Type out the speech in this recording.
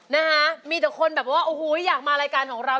นะฮะมีแต่คนแบบว่าโอ้โหอยากมารายการของเรา